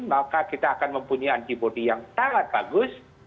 maka kita akan mempunyai antibody yang sangat bagus